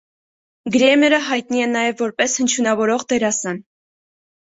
Գրեմերը հայտնի է նաև որպես հնչյունավորող դերասան։